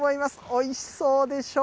おいしそうでしょ。